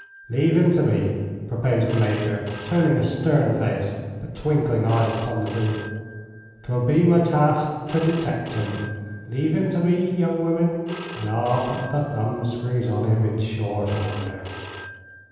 "Leave him to me," proposed the Major, turning a stern face but twinkling eyes upon the group. "'Twill be my task to detect him. Leave him to me, young women, an' I'll put the thumb screws on him in short order."